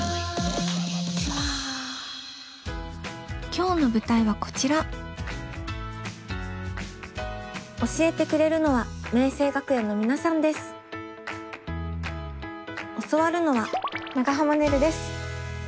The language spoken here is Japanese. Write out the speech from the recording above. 今日の舞台はこちら教えてくれるのは教わるのは長濱ねるです。